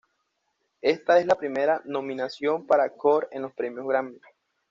Esta es la primera nominación para Korn en los premios Grammy.